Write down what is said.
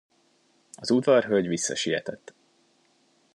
Az udvarhölgy visszasietett.